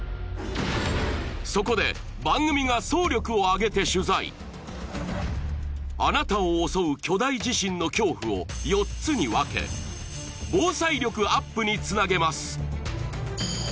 そこであなたを襲う巨大地震の恐怖を４つに分け防災力アップにつなげます